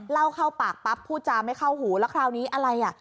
เข้าปากปั๊บพูดจาไม่เข้าหูแล้วคราวนี้อะไรอ่ะ